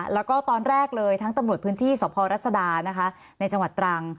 แล้วก็ตอนแรกเลยทั้งตำรวจพื้นที่สพรัศดานะคะในจังหวัดตรัง